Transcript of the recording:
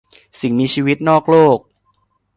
สิ่งมีชีวิตนอกโลก